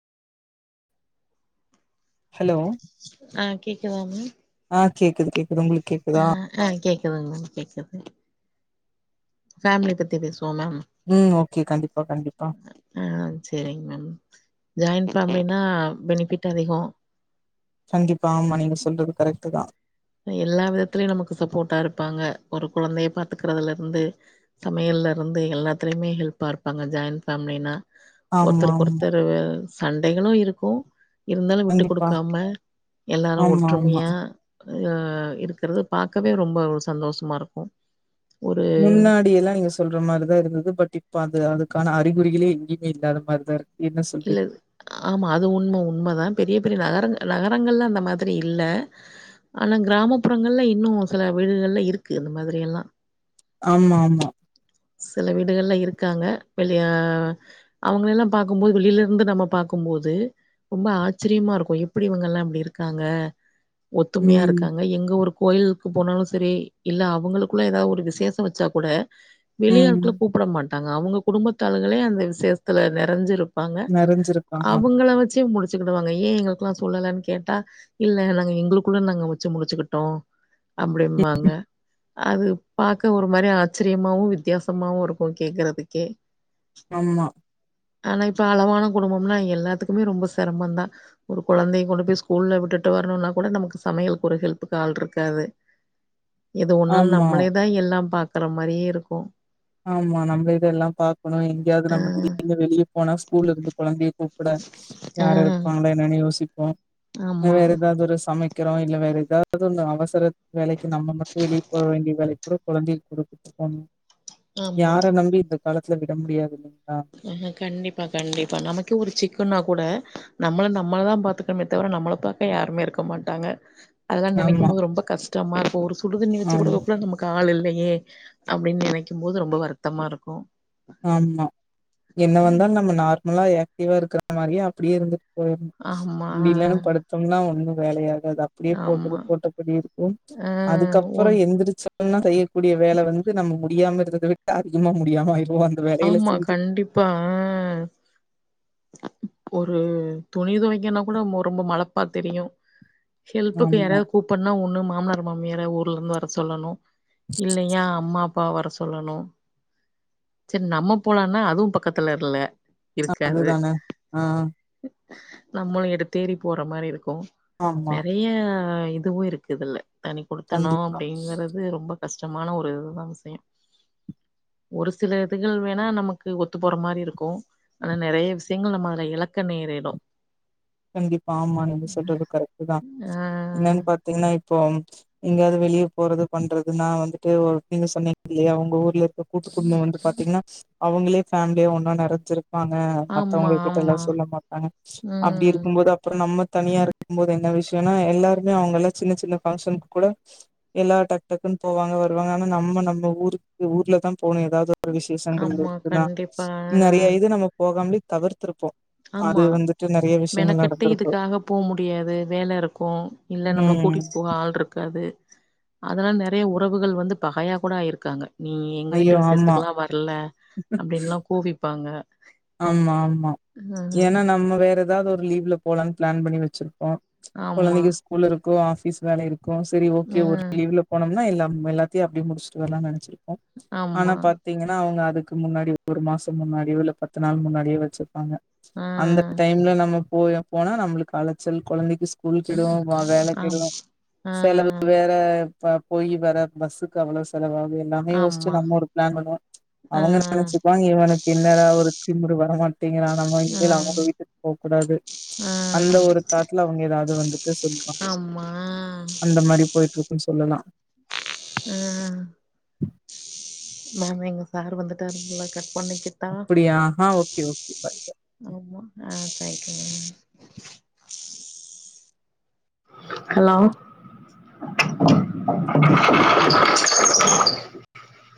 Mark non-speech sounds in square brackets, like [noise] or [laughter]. Hello ஆ கேக்குதா ma'am ஆ கேக்குது கேக்குது உங்களுக் ஆ ஆ கேக்குதுங்க மேம் கேக்குது ஃபேமிலி பத்தி பேசு வோ மேம் ம் ஓகே கண்டிப்பா கண்டிப்பா ஆ ஆ செரிங் மேம் ஜாயிண்ட் ஃபேமிலி நா பெனிபிட் அதிகோ கண்டிப்பா ஆமா நீங்க சொல்றது கரெக்ட் தா எல்லா விதத்திலயு நமக்கு சப்போர்ட்டா இருப்பாங்க ஒரு கொழந்தைய பாத்துக்கிறதுல இருந்து சமையல் லருந்து எல்லாத்துலையுமே ஹெல்ப்பா இருப்பாங்க ஜாயிண்ட் ஃபேமிலினா ஆமா ஒருத்தருக்கு ஆமா ஒருத்தர் வே சண்டைகளு இருக்கு இருந்தாலு விட்டு கண்டிப்பா குடுக்காம எல்லாரு ஆமா ஆமா ஒற்றுமையா அ இருக்கிறது பாக்கவே ரொம்ப ஒரு சந்தோஷமா இருக்கு ஒரு முன்னாடிய எல்லா நீங்க சொல்ற மாரிதா இருந்தது பட் இப்ப அது அது கனா அறிகுறிகளே எங்கியுமே இல்லாத மாரிதா இருக் இல்ல ஆமா அது உண்ம உண்மதா பெரிய பெரிய நகர நகரங்கள்ல அந்த மாத்ரி இல்ல ஆனா கிராமப்புறங்கள்ல இன்னு சில வீடுகள்ல இருக்கு இந்த மாத்ரி எல்லா ஆமா ஆமா செல வீடுகள்ல இருக்காங்க வெளிய அவுங்கல்லா பாக்கும்போது வெளியிலலிருந்து நம்ம பாக்கு போது ரொம்ப ஆச்சிரியமா இருக்கு எப்டி இவுங்கலா அப்டி இருக்காங்க ஒத்துமையா ம் இருக்காங்க எங்க ஒரு கோயில்க்கு போனாலு சரி இல்ல அவுங்களுக்குள்ள ஏதாவு ஒரு விசேஷ வச்சா கூட ம் வெளியாட்கள கூப்பட மாட்டாங்க அவுங்க குடும்பத்தாளுகளே அந்த விசேஷ்த்துல நெறஞ்சிருப் பாங்க நெறஞ்சிருக்காங்க அவுங்கள வச்சே முடிச்சிக்கிடுவாங்க ஏன் எங் க்குலா சொல்லலன்னு கேட்டா இல்ல நாங்க எங்குளுக்குள்ள நாங்க வச்சு முடிச்சுக்கிட்டோ அப்பிடிம்மாங்க அது பாக்கா ஒரு மாரி ஆச்சிரியமாவும் வித் வித்தியாசமாவும் இருக்கு கேக்கறதுக்கே ஆம்மா ஆனா இப்ப அளவான குடும்பம்னா எல்லாத்துக்குமே ரொம்ப செரமதான் ஒரு குழந்தய கொண்டு போய் ஸ்கூல்ல உட்டு விட்டு வரணும்னா கூட நமக்கு சமயலக்கு ஒரு ஹெல்புக்கு ஆள் இர்க்காது [inaudible] எது ஒன்னாலு ஆமா நம்மளே தா எல்லா பாக்கற மாரியே இருக்கு ஆமா நம்ம இத எல்லா பாக்கணும் எங்கயாது நம்ம ஆ திடீர்னு வெளியே போனா கூல்ல இருந்து குழந்தயகூட்டு கூட ஆ யார இருப்பாங்களா என்னன்னு யோசிப்போம் ஆமா வேற ஏதாவது ஒரு சமைய சமைக்ரோ இல்ல வேற ஏதாவது ஒன்னு அவசர வேலைக்கு நம்ம மட்டும் வெளியே போக வேண்டிய வேலைக் கூட குழந்தய கூட்டு ஆமா யார நம்பி இந்த காலத்துல விட முடியாதுல்ல ஆ கண்டிப்பா கண்டிப்பா நமக்கு ஒரு சிக்குன்னா கூட நம்மள நம்மளதான் பாத்துகனுமே தவர நம்மள பாக்க யாருமே இருக்க மாட்டாங்க அதல்லா நினைக்கும் ஆமா போது ரொம்ப கஷ்டமா இருக்கு ஒரு சுடு தண்ணி வச்சி ஆமா கொடுக்க கூட நமக்கு ஆள் இல்லை ஏ அப்பிடின்னு நெனைக்கும்போது ரொம்ப வருத்தமா இருக்கும் ஆமா என்ன வந்தாலு நம்ம நார்மலா ஆக்டிவா இருக்கிற மாரியே அப்படியே இருந்து ஆமா முடியலன்னு படுதோம்னா ஒண்ணும் வேலயாகாது அது அப்டியே போட்டது ஆமா போட்டபடி இருக்கும் ஆ ஒன் அதுக்கப்பறம் எந்திரிச்சா ஒண்ணா செய்யக்க கூடிய வேல வந்து நம்ம முடியாம இருந்தத விட்டு அதிகமா முடியாம ஆயிடு ஆமா கண்டிப்பா ஆ ஒரு துணி துவைக்கனா குட ரொம்ப மளப்பா தெரியு ஹெல்ப்புக்கு ஆமா யாராது கூப்பனுனா ஒண்ணு மாமனார் மாமியார‌ ஊர்ல இருந்து வர சொல்லணு இல்லையா அம்மா அப்பா வர சொல்லணு [inaudible] சரி நம்ம போலான்னா அதுவும் பக்கத்துல இல்ல ஆ அது தானே ஆ நம்மளும் எடுத்தேறி போற மாரி இருக்கும் ஆமா நெறய இதுவும் இருக்கு இதுல தனி குடுத்தணு கண்டிப்பா அப்பிடிங்கறது ரொம்ப கஷ்டமான ஒரு இதுதான் விஷயம் ஒரு சில இதுகள் வேணா நமக்கு ஒத்து போற மாரி இருக்கு ஆனா நெறய விஷயங்கள் நம்ம அதுல இலக்க நேரிடும் கண்டிப்பா ஆமா நீங்க சொல்றது கரெக்ட் தான் ஆ என்னன்னு பாத்தீங்கன்னா இப்போ எங்காது வெளியே போறது பண்றதுன்னா வந்துட்டு நீங்க சொன்னீங்க இல்லயா உங்க ஊர்ல இருக்க கூ குடும்பம் வந்து பாத்தீங்கன்னா அவங்களே பேமிலியா ஒன்னா நெறச்சிருக்கு வாங்க ஆமா மத்தவங்க கிட்டலா ஆமா சொல்ல மாட்டா அப்படி இரு ம் அப்பறம் நம்ம தனியா இருக்கும் போது என்ன விஷயனா எல்லாருமே அவங்கலாம் சின்ன - சின்ன ஃபங்க்ஷன் கூட எல்லா டக்கு- டக்குனு போவாங்க வருவாங்க ஆனா நம்ம- நம்ம ஊருக்கு ஊர்ல தான் போன ஏதாவது ஒரு விசேஷங்க ஆமா இருக்குன்னா கண்டிப்பா நெறய ஆ. இது நம்ம போகாமலே தவிர்த்திருப்போம் அது வந்துட்டு நறைய விஷயம் கெட்ட இதுக்காக போக முடியாது வேல இருக்கும் இல்ல நம்மளை ம் கூட்டிட்டு போக ஆள் இருக்காது அதனால் நெறய உறவுகள் வந்து பகயா கூட ஆயிருக்காங்க நீ எங்க ஐயோ வீட்டு ஆமா. விசேஷத்துக்கலா வரல அப்படின்னுலா கூவிப்பாங்க ஆமா - ஆமா ஏனா நம்ம வேற ஏதாவது ஒரு லீவ்ல போலான்னு பிளான் பண்ணி வச்சிருப் போ ஆமா குழந்தங்க ஸ்கூல் இருக்கு ஆபிஸ் வேல இருக்கும் சரி ஓகே அ ஒரு லீவ்ல போனோம்னா எல்லா ம் எல்லாத்தையு அப்டி முடிச்சுட்டு வரலான் நனச்சிருக்கோ ஆனா ஆமா பாத்தீங்கனா அவங்க முன்னாடி ஒரு மாசோ முன்னாடியோ இல்ல பத்து நாள் முன்னாடியோ வச்சிருப்பாங்க அ அந்த டைம்ல நம்ம போய போனா நம்மளுக்கு அலச்சல் கொழந்தைக்கு ஸ்கூல் கெடு வ ஆம் வேலைக்குல்லா அ செலவு வேற ப போயி வர பஸ்ஸுக்கு அவ்ளோ செலவா எல்லாமே யோஸ்ச்சு ஆமா நம்ம ஒரு ப்ளன் பண்ணுவோ அ அவங்க நனச்சுப்பாங்க இவனுக்கு என்னடா ஒரு திமுரு வர மாட்டீங்கிறா நம்ம அ இனிமேல் அவங்க வீட்டுக்கு போ கூடாது அ அந்த ஒரு தாட்டுல அவங்க ஏதாவது வந்துட்டு சொல்லுவா ஆமா அந்த மாரி போய்ட்ருக்குன் சொல்லலா அ மேம் எங்க சாரு வந்துட்டாரு போல கட் பண்ணிக்கிட்டா அப்படியா அ ஓகே ஓகே பாய் பாய் அ தேங்க் யூ மேம் ஹலோ